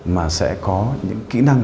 mà sẽ có những kỹ năng